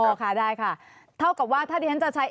พอค่ะได้ค่ะเท่ากับว่าถ้าดิฉันจะใช้